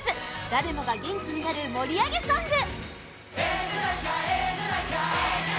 誰もが元気になる盛り上げソング！